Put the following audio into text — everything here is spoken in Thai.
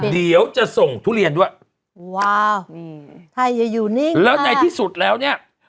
เดี๋ยวจะส่งทุเรียนด้วยว้าวนี่ไทยอย่าอยู่นิ่งแล้วในที่สุดแล้วเนี่ย